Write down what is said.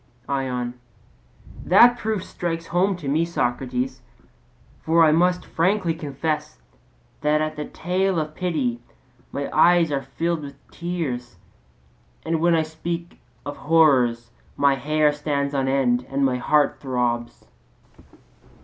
ION: That proof strikes home to me, Socrates. For I must frankly confess that at the tale of pity my eyes are filled with tears, and when I speak of horrors, my hair stands on end and my heart throbs.